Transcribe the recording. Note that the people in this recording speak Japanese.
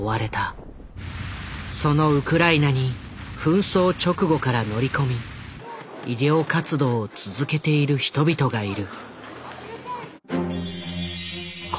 そのウクライナに紛争直後から乗り込み医療活動を続けている人々がいる。